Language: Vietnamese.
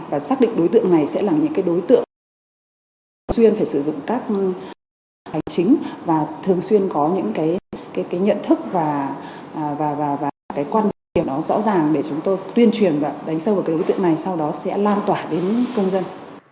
và xác định đối tượng này sẽ là những cái đối tượng thường xuyên phải sử dụng các hành chính và thường xuyên có những cái nhận thức và cái quan điểm đó rõ ràng để chúng tôi tuyên truyền và đánh sâu vào cái đối tượng này sau đó sẽ lan tỏa đến công dân